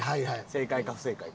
正解か不正解か。